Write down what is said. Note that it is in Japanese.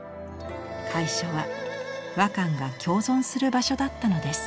会所は和漢が共存する場所だったのです。